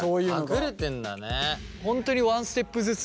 隠れてんだね。